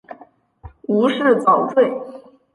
无饰蚤缀